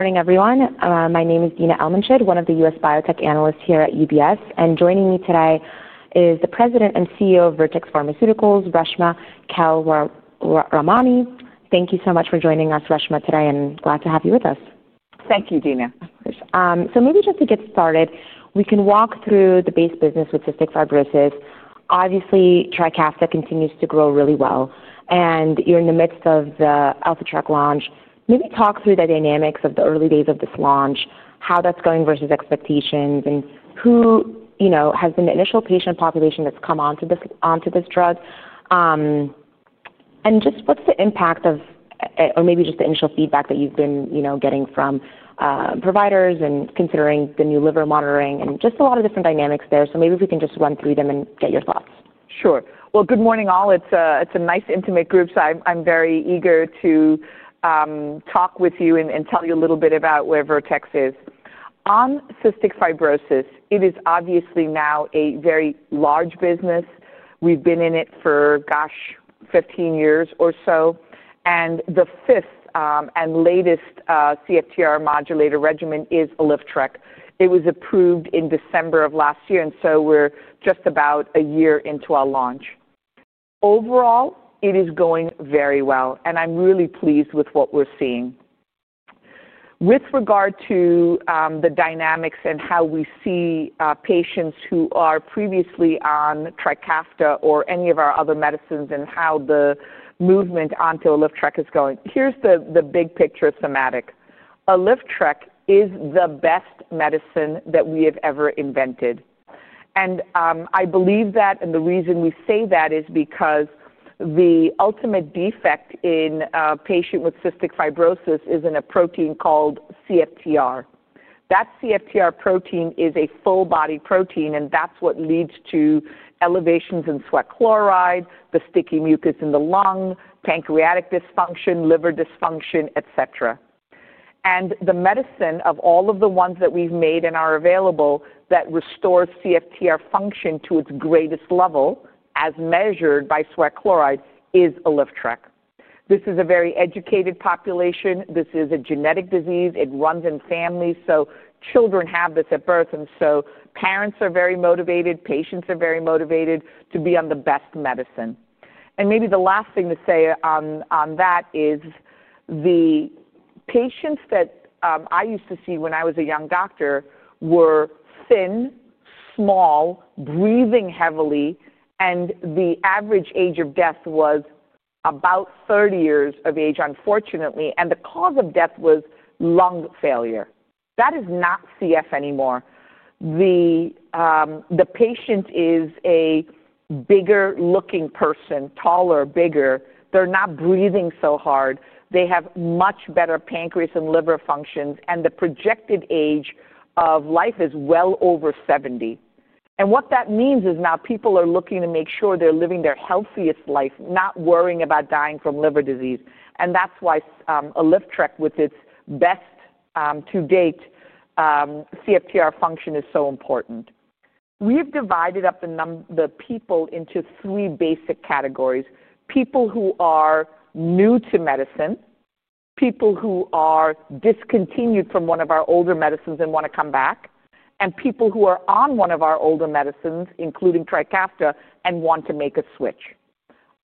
Morning, everyone. My name is Dina Almanshed, one of the U.S. biotech analysts here at UBS. Joining me today is the President and CEO of Vertex Pharmaceuticals, Reshma Kewalramani. Thank you so much for joining us, Reshma, today. I'm glad to have you with us. Thank you, Dina. Of course. Maybe just to get started, we can walk through the base business with cystic fibrosis. Obviously, Trikafta continues to grow really well. You're in the midst of the Alyftrek launch. Maybe talk through the dynamics of the early days of this launch, how that's going versus expectations, and who has been the initial patient population that's come onto this drug. Just what's the impact of, or maybe just the initial feedback that you've been getting from providers and considering the new liver monitoring, and just a lot of different dynamics there. Maybe if we can just run through them and get your thoughts. Sure. Good morning, all. It's a nice, intimate group, so I'm very eager to talk with you and tell you a little bit about where Vertex is. On cystic fibrosis, it is obviously now a very large business. We've been in it for, gosh, 15 years or so. The fifth and latest CFTR modulator regimen is Alyftrek. It was approved in December of last year, and so we're just about a year into our launch. Overall, it is going very well, and I'm really pleased with what we're seeing. With regard to the dynamics and how we see patients who are previously on Trikafta or any of our other medicines and how the movement onto Alyftrek is going, here's the big picture of somatic. Alyftrek is the best medicine that we have ever invented. I believe that, and the reason we say that is because the ultimate defect in a patient with cystic fibrosis is in a protein called CFTR. That CFTR protein is a full-body protein, and that is what leads to elevations in sweat chloride, the sticky mucus in the lung, pancreatic dysfunction, liver dysfunction, etc. The medicine of all of the ones that we have made and are available that restores CFTR function to its greatest level, as measured by sweat chloride, is Alyftrek. This is a very educated population. This is a genetic disease. It runs in families, so children have this at birth, and parents are very motivated, patients are very motivated to be on the best medicine. Maybe the last thing to say on that is the patients that I used to see when I was a young doctor were thin, small, breathing heavily, and the average age of death was about 30 years of age, unfortunately. The cause of death was lung failure. That is not CF anymore. The patient is a bigger-looking person, taller, bigger. They're not breathing so hard. They have much better pancreas and liver functions, and the projected age of life is well over 70. What that means is now people are looking to make sure they're living their healthiest life, not worrying about dying from liver disease. That's why Alyftrek, with its best to date CFTR function, is so important. We have divided up the people into three basic categories: people who are new to medicine, people who are discontinued from one of our older medicines and want to come back, and people who are on one of our older medicines, including Trikafta, and want to make a switch.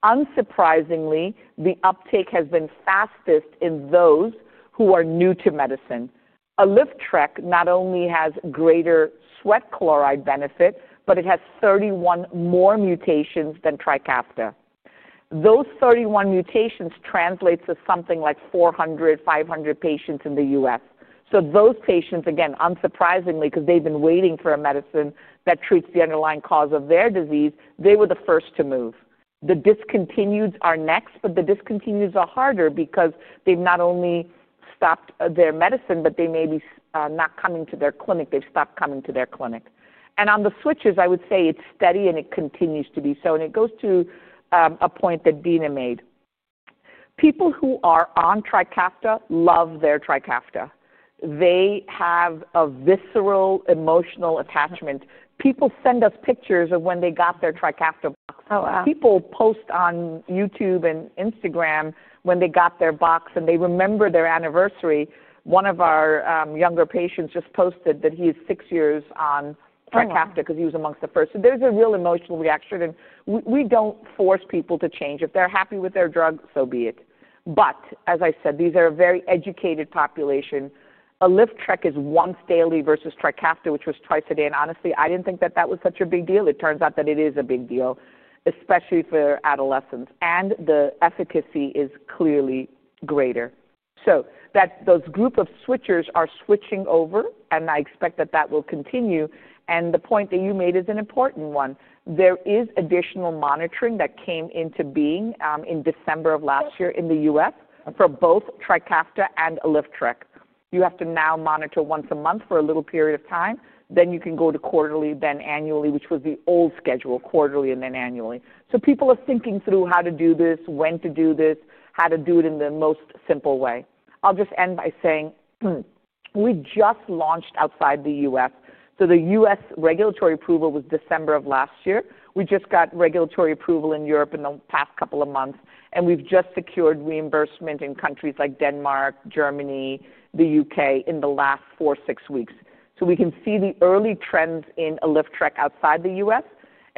Unsurprisingly, the uptake has been fastest in those who are new to medicine. Alyftrek not only has greater sweat chloride benefit, but it has 31 more mutations than Trikafta. Those 31 mutations translate to something like 400, 500 patients in the U.S. So those patients, again, unsurprisingly, because they've been waiting for a medicine that treats the underlying cause of their disease, they were the first to move. The discontinued are next, but the discontinued are harder because they've not only stopped their medicine, but they may be not coming to their clinic. They've stopped coming to their clinic. On the switches, I would say it's steady, and it continues to be so. It goes to a point that Dina made. People who are on Trikafta love their Trikafta. They have a visceral emotional attachment. People send us pictures of when they got their Trikafta box. People post on YouTube and Instagram when they got their box, and they remember their anniversary. One of our younger patients just posted that he is six years on Trikafta because he was amongst the first. There is a real emotional reaction. We do not force people to change. If they're happy with their drug, so be it. As I said, these are a very educated population. Alyftrek is once daily versus Trikafta, which was twice a day. Honestly, I did not think that that was such a big deal. It turns out that it is a big deal, especially for adolescents. The efficacy is clearly greater. Those group of switchers are switching over, and I expect that that will continue. The point that you made is an important one. There is additional monitoring that came into being in December of last year in the U.S. for both Trikafta and Alyftrek. You have to now monitor once a month for a little period of time. Then you can go to quarterly, then annually, which was the old schedule, quarterly and then annually. People are thinking through how to do this, when to do this, how to do it in the most simple way. I'll just end by saying we just launched outside the U.S. The U.S. regulatory approval was December of last year. We just got regulatory approval in Europe in the past couple of months. We have just secured reimbursement in countries like Denmark, Germany, the U.K. in the last four-six weeks. We can see the early trends in Alyftrek outside the U.S.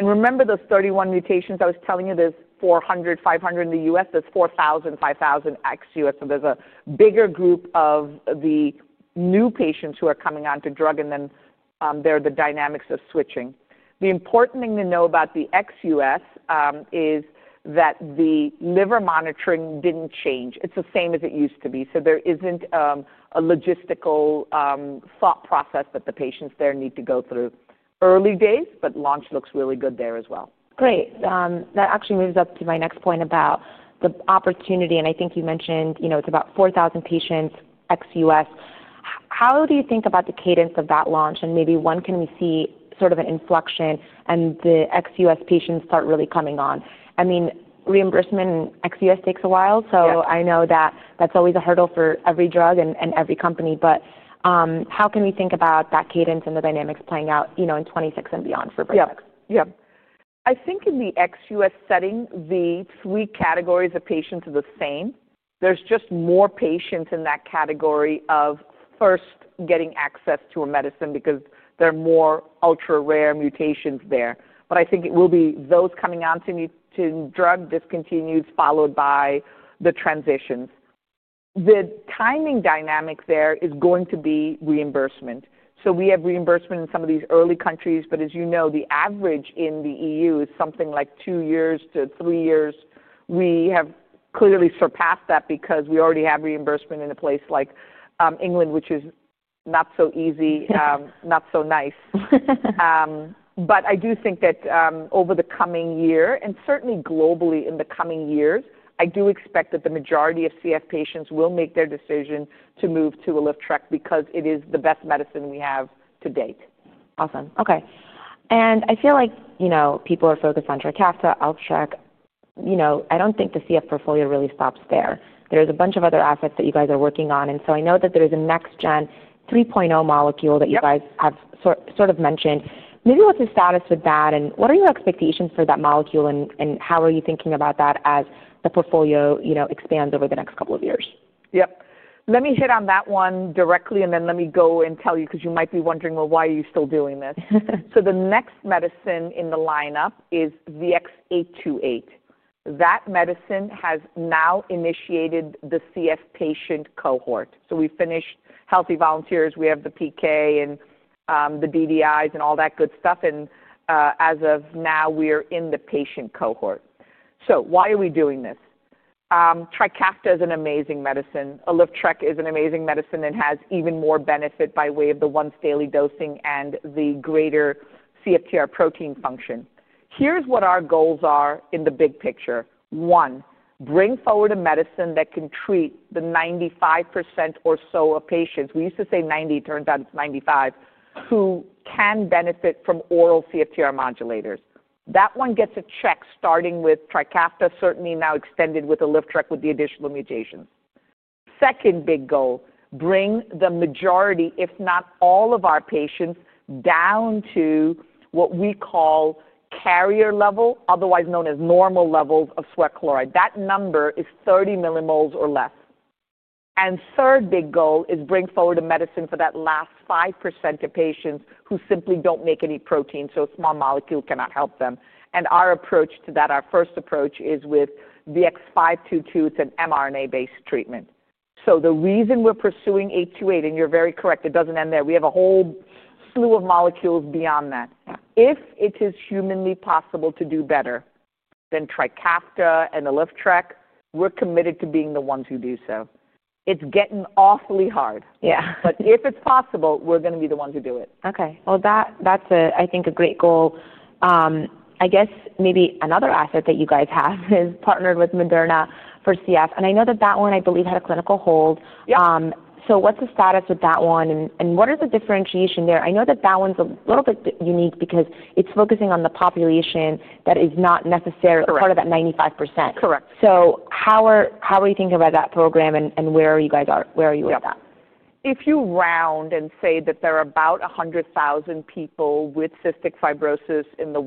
Remember those 31 mutations I was telling you? There are 400, 500 in the U.S. There are 4,000, 5,000 ex-U.S. There is a bigger group of the new patients who are coming onto drug, and then there are the dynamics of switching. The important thing to know about the ex-U.S. is that the liver monitoring did not change. It is the same as it used to be. There is not a logistical thought process that the patients there need to go through. Early days, but launch looks really good there as well. Great. That actually moves up to my next point about the opportunity. I think you mentioned it's about 4,000 patients ex-U.S. How do you think about the cadence of that launch? Maybe when can we see sort of an inflection and the ex-U.S. patients start really coming on? I mean, reimbursement in ex-U.S. takes a while, so I know that that's always a hurdle for every drug and every company. How can we think about that cadence and the dynamics playing out in 2026 and beyond for Vertex? Yeah. Yeah. I think in the ex-U.S. setting, the three categories of patients are the same. There's just more patients in that category of first getting access to a medicine because there are more ultra-rare mutations there. I think it will be those coming onto drug, discontinued, followed by the transitions. The timing dynamic there is going to be reimbursement. We have reimbursement in some of these early countries. As you know, the average in the EU is something like two years to three years. We have clearly surpassed that because we already have reimbursement in a place like England, which is not so easy, not so nice. I do think that over the coming year, and certainly globally in the coming years, I do expect that the majority of CF patients will make their decision to move to Alyftrek because it is the best medicine we have to date. Awesome. Okay. I feel like people are focused on Trikafta, Alyftrek. I don't think the CF portfolio really stops there. There's a bunch of other assets that you guys are working on. I know that there's a next-gen 3.0 molecule that you guys have sort of mentioned. Maybe what's the status with that, and what are your expectations for that molecule, and how are you thinking about that as the portfolio expands over the next couple of years? Yep. Let me hit on that one directly, and then let me go and tell you because you might be wondering, "Well, why are you still doing this?" The next medicine in the lineup is VX-828. That medicine has now initiated the CF patient cohort. We finished healthy volunteers. We have the PK and the DDIs and all that good stuff. As of now, we are in the patient cohort. Why are we doing this? Trikafta is an amazing medicine. Alyftrek is an amazing medicine and has even more benefit by way of the once-daily dosing and the greater CFTR protein function. Here is what our goals are in the big picture. One, bring forward a medicine that can treat the 95% or so of patients. We used to say 90%. It turns out it is 95% who can benefit from oral CFTR modulators. That one gets a check starting with Trikafta, certainly now extended with Alyftrek with the additional mutations. Second big goal, bring the majority, if not all of our patients, down to what we call carrier level, otherwise known as normal levels of sweat chloride. That number is 30 mmol or less. Third big goal is bring forward a medicine for that last 5% of patients who simply don't make any protein, so a small molecule cannot help them. Our approach to that, our first approach is with VX-522. It's an mRNA-based treatment. The reason we're pursuing VX-828, and you're very correct, it doesn't end there. We have a whole slew of molecules beyond that. If it is humanly possible to do better than Trikafta and Alyftrek, we're committed to being the ones who do so. It's getting awfully hard. If it's possible, we're going to be the ones who do it. Okay. That's, I think, a great goal. I guess maybe another asset that you guys have is partnered with Moderna for CF. I know that that one, I believe, had a clinical hold. What's the status with that one, and what is the differentiation there? I know that that one's a little bit unique because it's focusing on the population that is not necessarily part of that 95%. Correct. How are you thinking about that program, and where are you guys at? Where are you with that? If you round and say that there are about 100,000 people with cystic fibrosis in the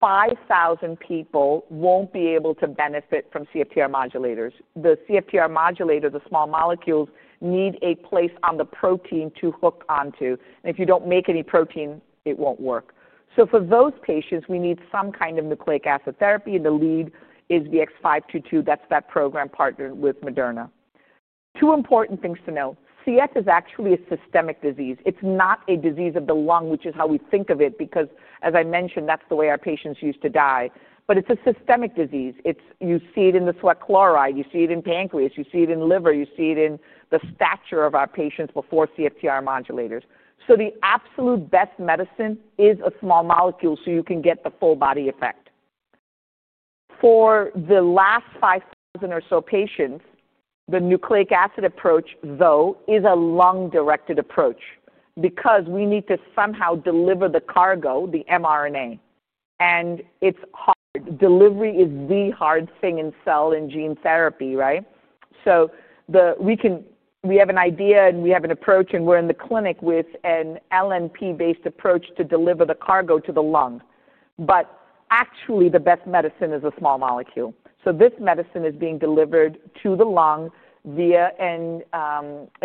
Western world, then about 5,000 people won't be able to benefit from CFTR modulators. The CFTR modulator, the small molecules, need a place on the protein to hook onto. If you don't make any protein, it won't work. For those patients, we need some kind of nucleic acid therapy, and the lead is VX-522. That's that program partnered with Moderna. Two important things to note. CF is actually a systemic disease. It's not a disease of the lung, which is how we think of it because, as I mentioned, that's the way our patients used to die. It's a systemic disease. You see it in the sweat chloride. You see it in pancreas. You see it in liver. You see it in the stature of our patients before CFTR modulators. The absolute best medicine is a small molecule so you can get the full-body effect. For the last 5,000 or so patients, the nucleic acid approach, though, is a lung-directed approach because we need to somehow deliver the cargo, the mRNA. It is hard. Delivery is the hard thing in cell and gene therapy, right? We have an idea, and we have an approach, and we're in the clinic with an LNP-based approach to deliver the cargo to the lung. Actually, the best medicine is a small molecule. This medicine is being delivered to the lung via a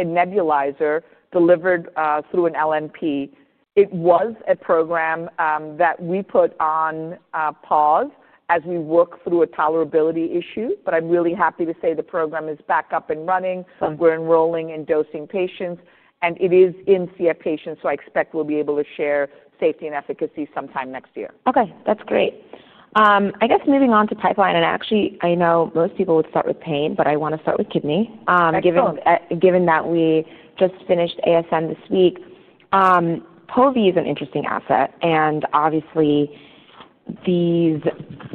nebulizer delivered through an LNP. It was a program that we put on pause as we work through a tolerability issue. I'm really happy to say the program is back up and running. We're enrolling and dosing patients. It is in CF patients, so I expect we'll be able to share safety and efficacy sometime next year. Okay. That's great. I guess moving on to pipeline. Actually, I know most people would start with pain, but I want to start with kidney. Given that we just finished ASN this week, pove is an interesting asset. Obviously, these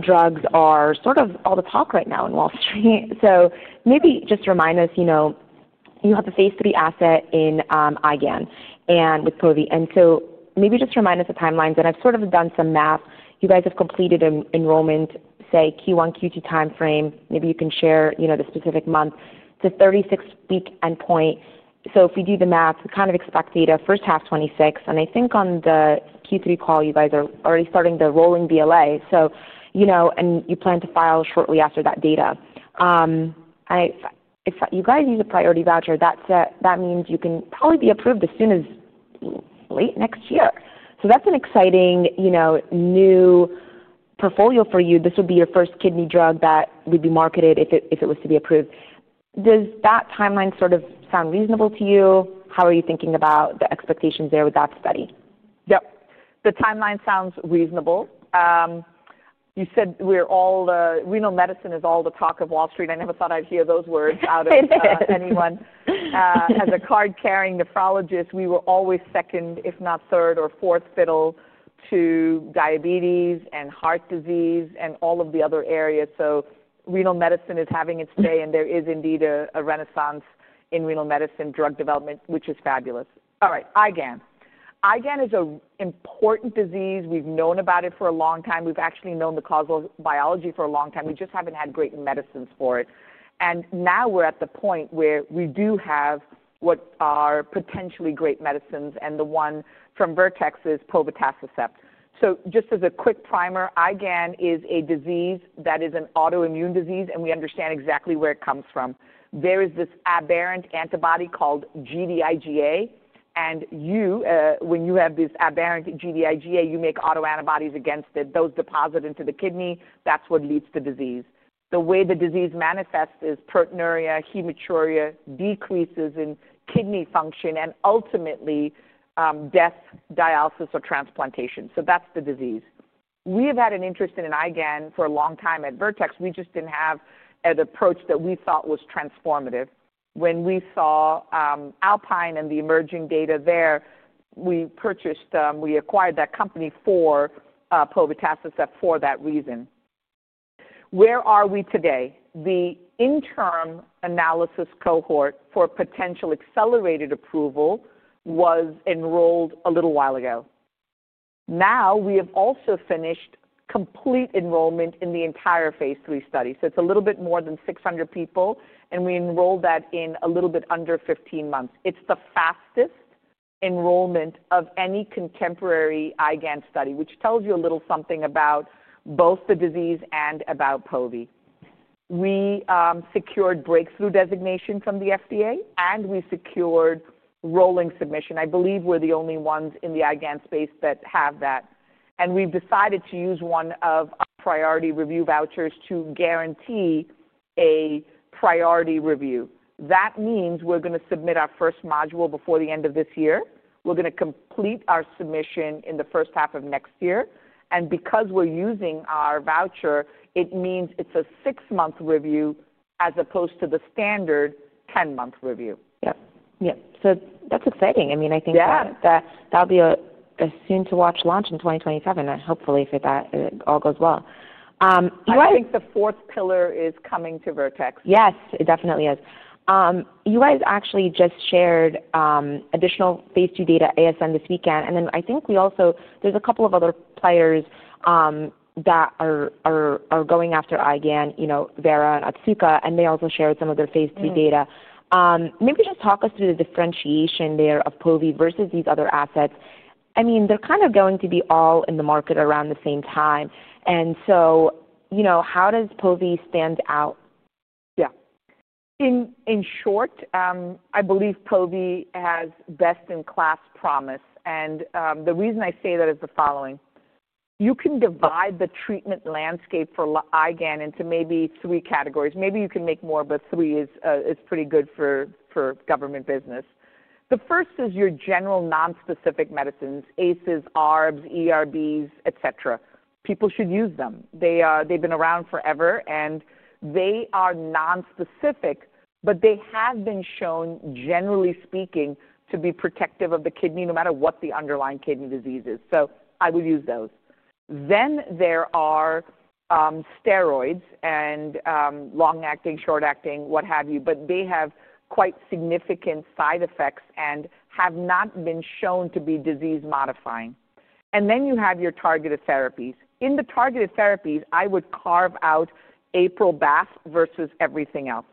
drugs are sort of all the talk right now in Wall Street. Maybe just remind us, you have the phase III asset in IgAN and with pove. Maybe just remind us the timelines. I've sort of done some math. You guys have completed enrollment, say, Q1, Q2 timeframe. Maybe you can share the specific month. It's a 36-week endpoint. If we do the math, we kind of expect data first half 2026. I think on the Q3 call, you guys are already starting the rolling BLA. You plan to file shortly after that data. If you guys use a priority voucher, that means you can probably be approved as soon as late next year. That is an exciting new portfolio for you. This would be your first kidney drug that would be marketed if it was to be approved. Does that timeline sort of sound reasonable to you? How are you thinking about the expectations there with that study? Yep. The timeline sounds reasonable. You said we're all the renal medicine is all the talk of Wall Street. I never thought I'd hear those words out of anyone. As a card-carrying nephrologist, we were always second, if not third or fourth fiddle to diabetes and heart disease and all of the other areas. Renal medicine is having its day, and there is indeed a renaissance in renal medicine drug development, which is fabulous. All right. IgAN. IgAN is an important disease. We've known about it for a long time. We've actually known the causal biology for a long time. We just haven't had great medicines for it. Now we're at the point where we do have what are potentially great medicines. The one from Vertex is povetacicept. Just as a quick primer, IgAN is a disease that is an autoimmune disease, and we understand exactly where it comes from. There is this aberrant antibody called Gd-IgA. And when you have this aberrant Gd-IgA, you make autoantibodies against it. Those deposit into the kidney. That's what leads to disease. The way the disease manifests is proteinuria, hematuria, decreases in kidney function, and ultimately death, dialysis, or transplantation. That's the disease. We have had an interest in IgAN for a long time at Vertex. We just didn't have an approach that we thought was transformative. When we saw Alpine and the emerging data there, we purchased, we acquired that company for povetacicept for that reason. Where are we today? The interim analysis cohort for potential accelerated approval was enrolled a little while ago. Now we have also finished complete enrollment in the entire phase III study. It is a little bit more than 600 people, and we enrolled that in a little bit under 15 months. It is the fastest enrollment of any contemporary IgAN study, which tells you a little something about both the disease and about Tovy. We secured breakthrough designation from the FDA, and we secured rolling submission. I believe we are the only ones in the IgAN space that have that. We have decided to use one of our priority review vouchers to guarantee a priority review. That means we are going to submit our first module before the end of this year. We are going to complete our submission in the first half of next year. Because we are using our voucher, it means it is a six-month review as opposed to the standard 10-month review. Yep. Yep. That's exciting. I mean, I think that that'll be a soon-to-watch launch in 2027, hopefully, if it all goes well. I think the fourth pillar is coming to Vertex. Yes, it definitely is. You guys actually just shared additional phase II data ASN this weekend. I think we also there's a couple of other players that are going after IgAN, Vera and Otsuka, and they also shared some of their phase III data. Maybe just talk us through the differentiation there of pove versus these other assets. I mean, they're kind of going to be all in the market around the same time. How does pove stand out? Yeah. In short, I believe pove has best-in-class promise. The reason I say that is the following. You can divide the treatment landscape for IgAN into maybe three categories. Maybe you can make more, but three is pretty good for government business. The first is your general nonspecific medicines, ACEs, ARBs, ERBs, etc. People should use them. They've been around forever, and they are nonspecific, but they have been shown, generally speaking, to be protective of the kidney no matter what the underlying kidney disease is. I would use those. There are steroids and long-acting, short-acting, what have you, but they have quite significant side effects and have not been shown to be disease-modifying. You have your targeted therapies. In the targeted therapies, I would carve out APRIL/BAFF versus everything else.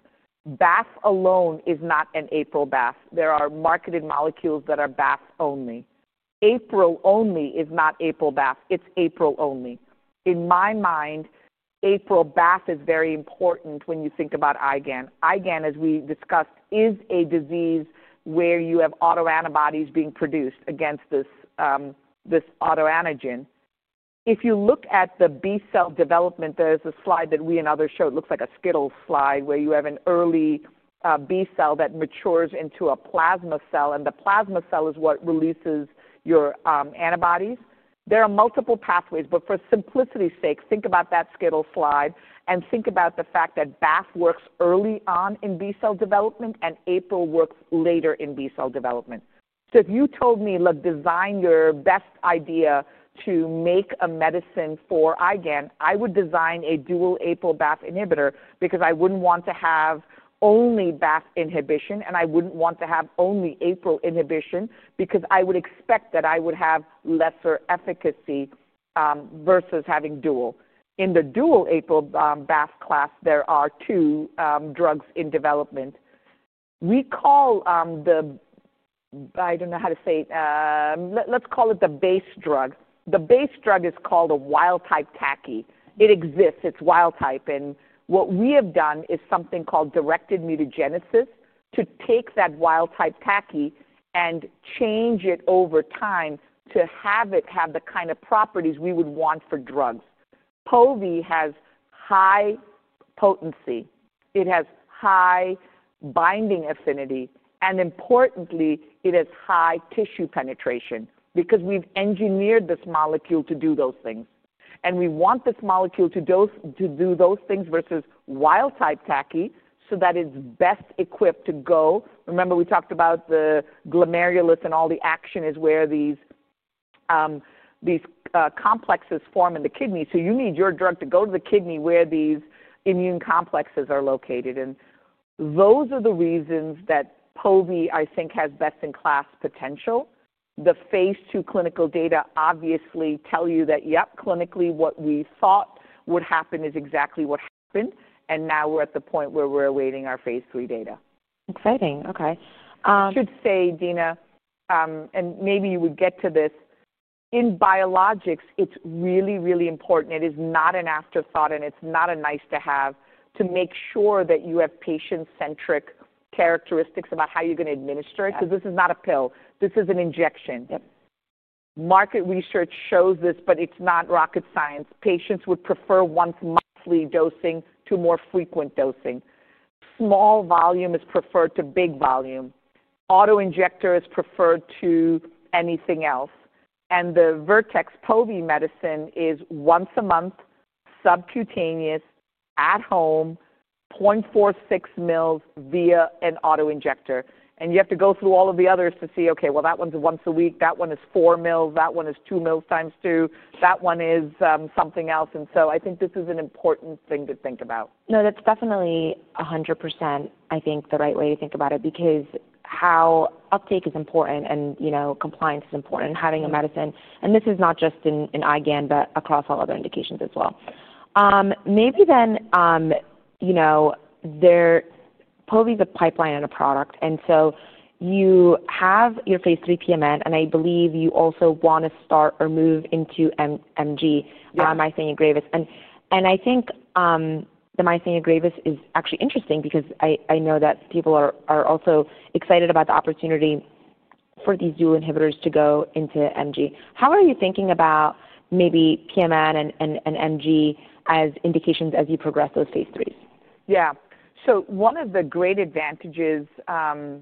BAFF alone is not an APRIL/BAFF. There are marketed molecules that are BAFF only. APRIL only is not APRIL/BAFF. It's APRIL only. In my mind, APRIL/BAFF is very important when you think about IgAN. IgAN, as we discussed, is a disease where you have autoantibodies being produced against this autoantigen. If you look at the B-cell development, there's a slide that we and others showed. It looks like a Skittle slide where you have an early B-cell that matures into a plasma cell, and the plasma cell is what releases your antibodies. There are multiple pathways, but for simplicity's sake, think about that Skittle slide and think about the fact that BAFF works early on in B-cell development and APRIL works later in B-cell development. If you told me, "Look, design your best idea to make a medicine for IgAN," I would design a dual APRIL/BAFF inhibitor because I would not want to have only BAFF inhibition, and I would not want to have only APRIL inhibition because I would expect that I would have lesser efficacy versus having dual. In the dual APRIL/BAFF class, there are two drugs in development. We call the—I do not know how to say it. Let's call it the base drug. The base drug is called a wild-type TACI. It exists. It is wild-type. And what we have done is something called directed mutagenesis to take that wild-type TACI and change it over time to have it have the kind of properties we would want for drugs. Pove has high potency. It has high binding affinity. Importantly, it has high tissue penetration because we've engineered this molecule to do those things. We want this molecule to do those things versus wild-type TACI so that it's best equipped to go. Remember, we talked about the glomerulus and all the action is where these complexes form in the kidney. You need your drug to go to the kidney where these immune complexes are located. Those are the reasons that pove, I think, has best-in-class potential. The phase II clinical data obviously tell you that, yep, clinically, what we thought would happen is exactly what happened. Now we're at the point where we're awaiting our phase III data. Exciting. Okay. I should say, Dina, and maybe you would get to this, in biologics, it's really, really important. It is not an afterthought, and it's not a nice-to-have to make sure that you have patient-centric characteristics about how you're going to administer it because this is not a pill. This is an injection. Market research shows this, but it's not rocket science. Patients would prefer once-monthly dosing to more frequent dosing. Small volume is preferred to big volume. Autoinjector is preferred to anything else. And the Vertex pove medicine is once a month, subcutaneous, at home, 0.46 ml via an autoinjector. And you have to go through all of the others to see, okay, well, that one's once a week. That one is 4 ml. That one is 2 ml x2. That one is something else. And so I think this is an important thing to think about. No, that's definitely 100%, I think, the right way to think about it because how uptake is important and compliance is important and having a medicine. This is not just in IgAN, but across all other indications as well. Maybe then povetacicept is a pipeline and a product. You have your phase III PMN, and I believe you also want to start or move into MG, myasthenia gravis. I think the myasthenia gravis is actually interesting because I know that people are also excited about the opportunity for these dual inhibitors to go into MG. How are you thinking about maybe PMN and MG as indications as you progress those phase IIIs? Yeah. One of the great advantages of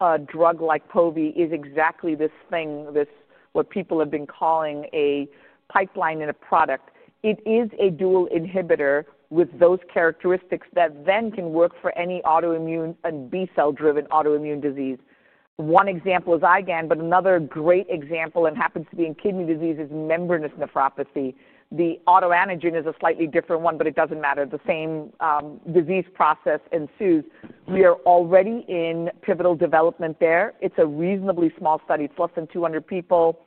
a drug like pove is exactly this thing, what people have been calling a pipeline in a product. It is a dual inhibitor with those characteristics that then can work for any autoimmune and B-cell-driven autoimmune disease. One example is IgAN, but another great example, and it happens to be in kidney disease, is membranous nephropathy. The autoantigen is a slightly different one, but it does not matter. The same disease process ensues. We are already in pivotal development there. It is a reasonably small study. It is less than 200 people,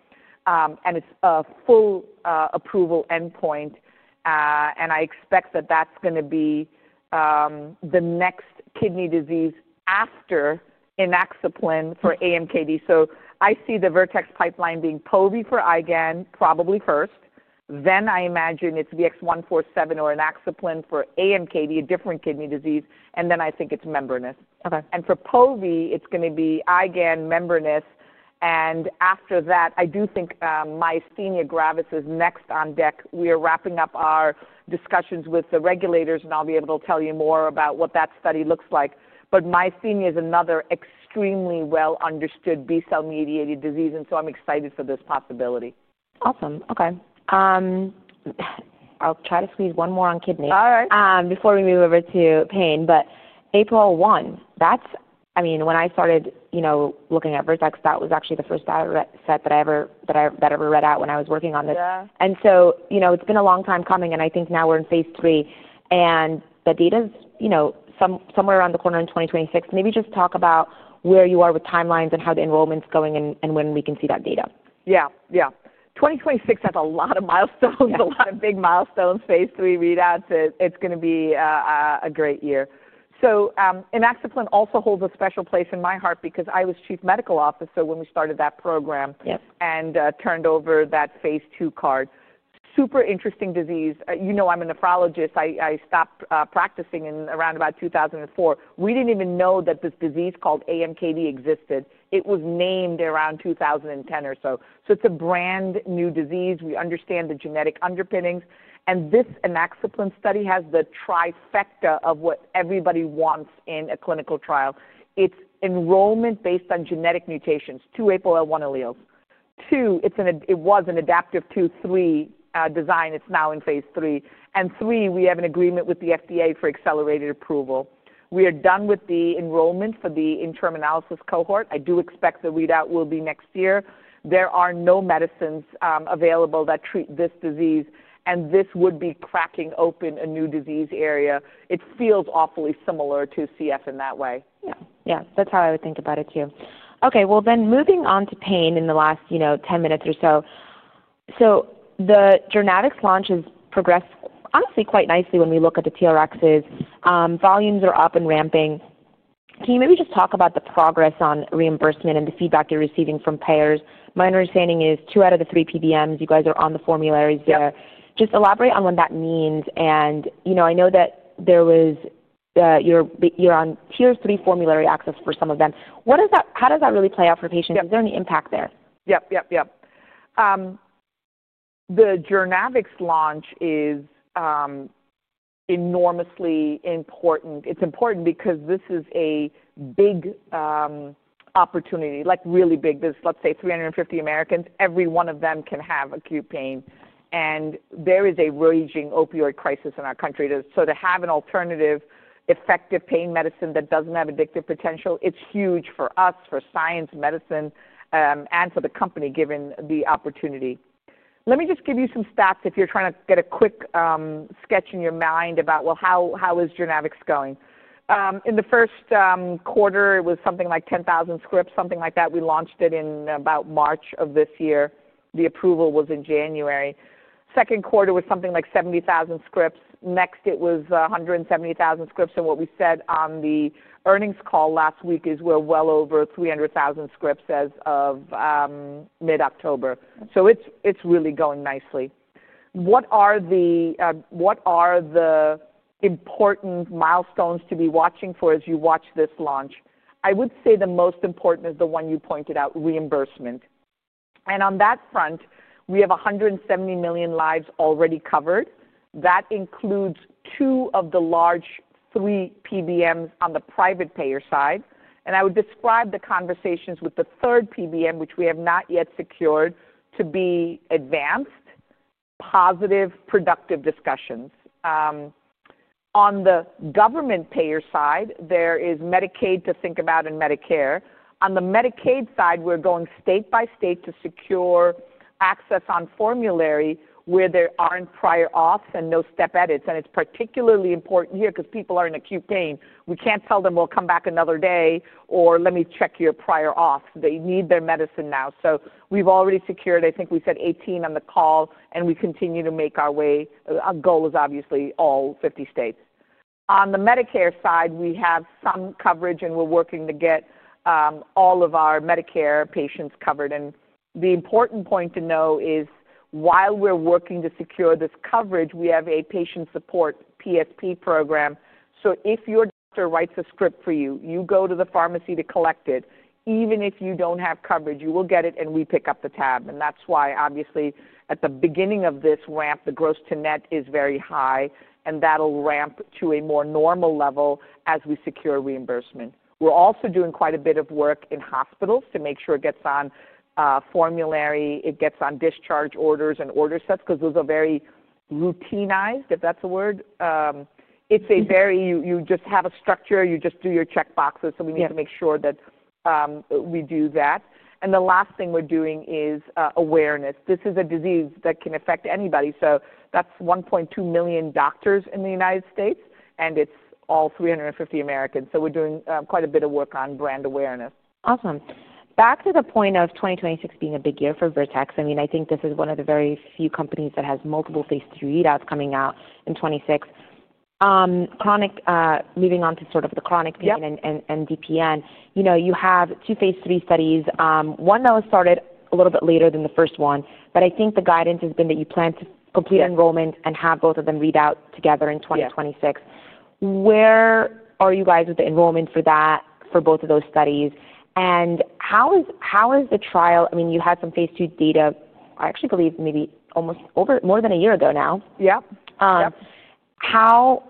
and it is a full approval endpoint. I expect that is going to be the next kidney disease after inaxaplin for AMKD. I see the Vertex pipeline being povetacicept for IgAN, probably first. I imagine it is VX-147 or inaxaplin for AMKD, a different kidney disease. I think it is membranous. For pove, it's going to be IgAN membranous. After that, I do think myasthenia gravis is next on deck. We are wrapping up our discussions with the regulators, and I'll be able to tell you more about what that study looks like. Myasthenia is another extremely well-understood B-cell-mediated disease, and so I'm excited for this possibility. Awesome. Okay. I'll try to squeeze one more on kidney before we move over to pain. April 1, that's—I mean, when I started looking at Vertex, that was actually the first data set that I ever read out when I was working on this. It's been a long time coming, and I think now we're in phase III. The data's somewhere around the corner in 2026. Maybe just talk about where you are with timelines and how the enrollment's going and when we can see that data. Yeah. Yeah. 2026 has a lot of milestones, a lot of big milestones. Phase III, we'd add to it. It's going to be a great year. Inaxaplin also holds a special place in my heart because I was Chief Medical Officer when we started that program and turned over that phase II card. Super interesting disease. You know I'm a nephrologist. I stopped practicing around about 2004. We didn't even know that this disease called AMKD existed. It was named around 2010 or so. It's a brand-new disease. We understand the genetic underpinnings. And this inaxaplin study has the trifecta of what everybody wants in a clinical trial. It's enrollment based on genetic mutations. Two, APOL1 alleles. Two, it was an adaptive to three design. It's now in phase III. And three, we have an agreement with the FDA for accelerated approval. We are done with the enrollment for the interim analysis cohort. I do expect the readout will be next year. There are no medicines available that treat this disease, and this would be cracking open a new disease area. It feels awfully similar to CF in that way. Yeah. Yeah. That's how I would think about it too. Okay. Moving on to pain in the last 10 minutes or so. The Journavx launch has progressed, honestly, quite nicely when we look at the TRXs. Volumes are up and ramping. Can you maybe just talk about the progress on reimbursement and the feedback you're receiving from payers? My understanding is two out of the three PBMs, you guys are on the formulary there. Just elaborate on what that means. I know that you're on Tier 3 formulary access for some of them. How does that really play out for patients? Is there any impact there? Yep. Yep. Yep. The Journavx launch is enormously important. It's important because this is a big opportunity, really big. Let's say 350 million Americans, every one of them can have acute pain. And there is a raging opioid crisis in our country. To have an alternative, effective pain medicine that doesn't have addictive potential, it's huge for us, for science, medicine, and for the company, given the opportunity. Let me just give you some stats if you're trying to get a quick sketch in your mind about, well, how is Journavx going? In the first quarter, it was something like 10,000 scripts, something like that. We launched it in about March of this year. The approval was in January. Second quarter was something like 70,000 scripts. Next, it was 170,000 scripts. What we said on the earnings call last week is we're well over 300,000 scripts as of mid-October. It is really going nicely. What are the important milestones to be watching for as you watch this launch? I would say the most important is the one you pointed out, reimbursement. On that front, we have 170 million lives already covered. That includes two of the large three PBMs on the private payer side. I would describe the conversations with the third PBM, which we have not yet secured, to be advanced, positive, productive discussions. On the government payer side, there is Medicaid to think about and Medicare. On the Medicaid side, we are going state by state to secure access on formulary where there are not prior auths and no step edits. It is particularly important here because people are in acute pain. We cannot tell them, "We will come back another day," or, "Let me check your prior auths." They need their medicine now. We've already secured, I think we said 18 on the call, and we continue to make our way. Our goal is obviously all 50 states. On the Medicare side, we have some coverage, and we're working to get all of our Medicare patients covered. The important point to know is while we're working to secure this coverage, we have a patient support PSP program. If your doctor writes a script for you, you go to the pharmacy to collect it. Even if you do not have coverage, you will get it, and we pick up the tab. That is why, obviously, at the beginning of this ramp, the gross to net is very high, and that will ramp to a more normal level as we secure reimbursement. We're also doing quite a bit of work in hospitals to make sure it gets on formulary. It gets on discharge orders and order sets because those are very routinized, if that's a word. It is a very—you just have a structure. You just do your checkboxes. We need to make sure that we do that. The last thing we are doing is awareness. This is a disease that can affect anybody. That is 1.2 million doctors in the U.S., and it is all 350 million Americans. We are doing quite a bit of work on brand awareness. Awesome. Back to the point of 2026 being a big year for Vertex. I mean, I think this is one of the very few companies that has multiple phase III readouts coming out in 2026. Chronic, moving on to sort of the chronic pain and DPN, you have two phase III studies. One that was started a little bit later than the first one, but I think the guidance has been that you plan to complete enrollment and have both of them readout together in 2026. Where are you guys with the enrollment for both of those studies? And how has the trial—I mean, you had some phase II data, I actually believe maybe almost more than a year ago now. Yep. Yep.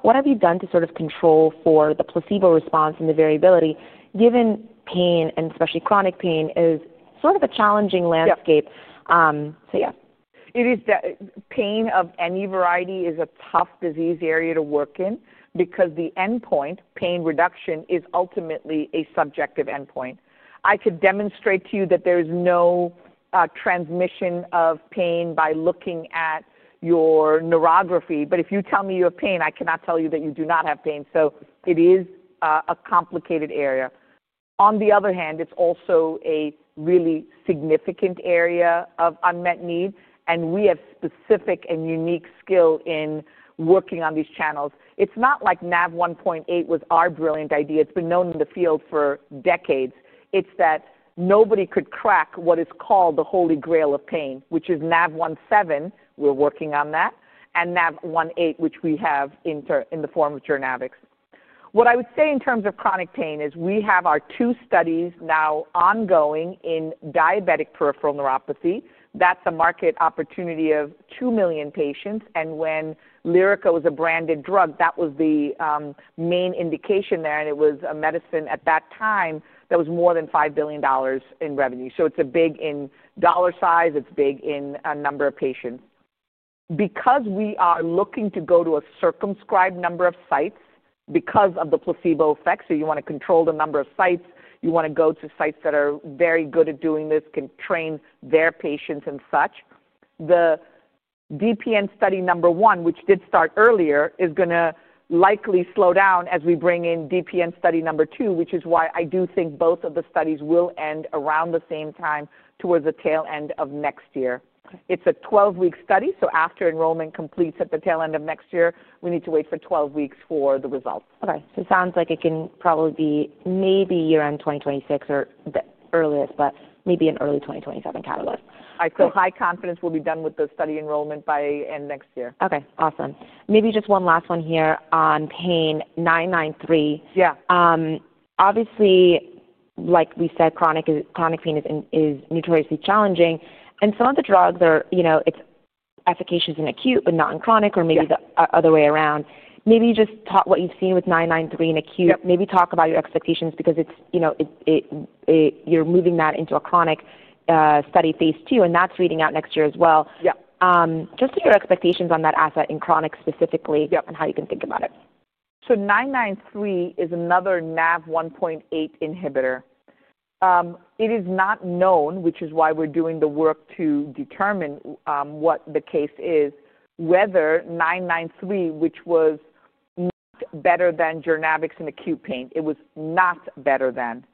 What have you done to sort of control for the placebo response and the variability, given pain and especially chronic pain is sort of a challenging landscape? Yep. It is. Pain of any variety is a tough disease area to work in because the endpoint, pain reduction, is ultimately a subjective endpoint. I could demonstrate to you that there is no transmission of pain by looking at your neurography, but if you tell me you have pain, I cannot tell you that you do not have pain. It is a complicated area. On the other hand, it's also a really significant area of unmet need, and we have specific and unique skill in working on these channels. It's not like NaV1.8 was our brilliant idea. It's been known in the field for decades. It's that nobody could crack what is called the holy grail of pain, which is NaV1.7. We're working on that, and NaV1.8, which we have in the form of Journavx. What I would say in terms of chronic pain is we have our two studies now ongoing in diabetic peripheral neuropathy. That's a market opportunity of 2 million patients. When Lyrica was a branded drug, that was the main indication there, and it was a medicine at that time that was more than $5 billion in revenue. It is big in dollar size. It is big in number of patients. Because we are looking to go to a circumscribed number of sites because of the placebo effect, you want to control the number of sites. You want to go to sites that are very good at doing this, can train their patients and such. The DPN study number one, which did start earlier, is going to likely slow down as we bring in DPN study number two, which is why I do think both of the studies will end around the same time towards the tail end of next year. It is a 12-week study, so after enrollment completes at the tail end of next year, we need to wait for 12 weeks for the results. Okay. So it sounds like it can probably be maybe year-end 2026 or the earliest, but maybe in early 2027 catalyst. I think so. So high confidence we'll be done with the study enrollment by end next year. Okay. Awesome. Maybe just one last one here on pain, VX-993. Obviously, like we said, chronic pain is notoriously challenging, and some of the drugs are efficacious in acute but not in chronic or maybe the other way around. Maybe just talk what you've seen with VX-993 in acute. Maybe talk about your expectations because you're moving that into a chronic study phase II, and that's reading out next year as well. Just what are your expectations on that asset in chronic specifically and how you can think about it? VX-993 is another NaV1.8 inhibitor. It is not known, which is why we're doing the work to determine what the case is, whether VX-993, which was not better than Journavx in acute pain, it was not better than,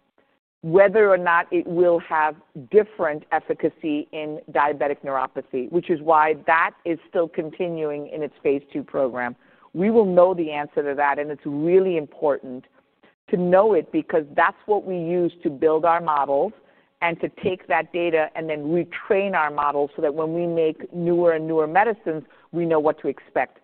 whether or not it will have different efficacy in diabetic neuropathy, which is why that is still continuing in its phase II program. We will know the answer to that, and it's really important to know it because that's what we use to build our models and to take that data and then retrain our models so that when we make newer and newer medicines, we know what to expect.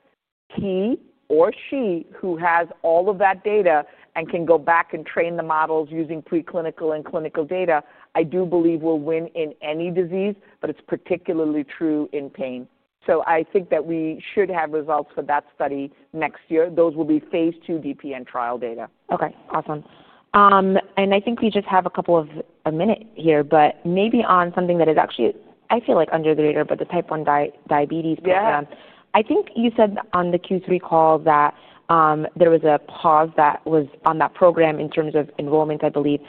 He or she who has all of that data and can go back and train the models using preclinical and clinical data, I do believe will win in any disease, but it's particularly true in pain. I think that we should have results for that study next year. Those will be phase II DPN trial data. Okay. Awesome. I think we just have a couple of a minute here, but maybe on something that is actually, I feel like, under the radar, but the type 1 diabetes program. I think you said on the Q3 call that there was a pause that was on that program in terms of enrollment, I believe.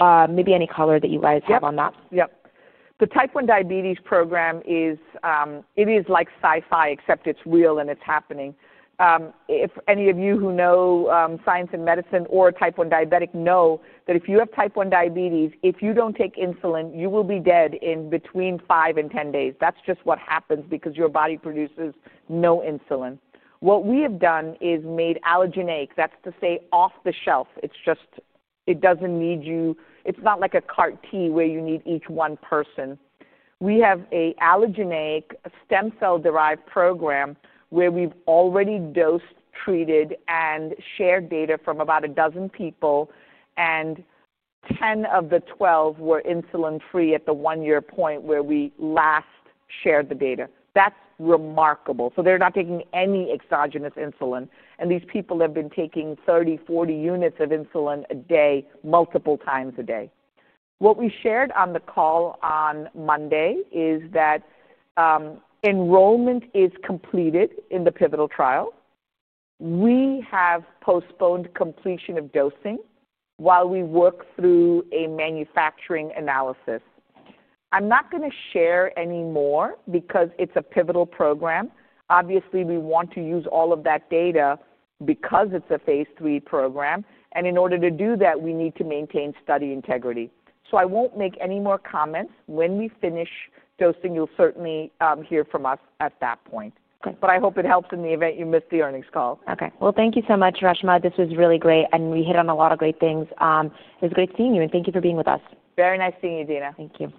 Maybe any color that you guys have on that? Yep. Yep. The type 1 diabetes program, it is like sci-fi, except it's real and it's happening. If any of you who know science and medicine or type 1 diabetic know that if you have type 1 diabetes, if you don't take insulin, you will be dead in between five and 10 days. That's just what happens because your body produces no insulin. What we have done is made allogeneic. That's to say off the shelf. It doesn't need you. It's not like a CAR-T where you need each one person. We have an allogeneic stem cell-derived program where we've already dosed, treated, and shared data from about a dozen people, and 10 of the 12 were insulin-free at the one-year point where we last shared the data. That's remarkable. They're not taking any exogenous insulin, and these people have been taking 30-40 units of insulin a day, multiple times a day. What we shared on the call on Monday is that enrollment is completed in the pivotal trial. We have postponed completion of dosing while we work through a manufacturing analysis. I'm not going to share any more because it's a pivotal program. Obviously, we want to use all of that data because it's a phase III program, and in order to do that, we need to maintain study integrity. I won't make any more comments. When we finish dosing, you'll certainly hear from us at that point. I hope it helps in the event you miss the earnings call. Okay. Thank you so much, Reshma. This was really great, and we hit on a lot of great things. It was great seeing you, and thank you for being with us. Very nice seeing you, Dina. Thank you.